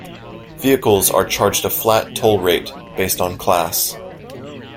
Vehicles are charged a flat toll rate based on class.